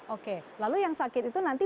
oke lalu yang sakit itu nanti